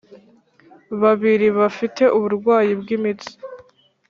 babiri bafite uburwayi bw'imitsi